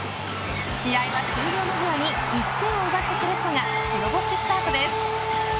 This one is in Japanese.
試合は終了間際に１点を奪ったセレッソが白星スタートです。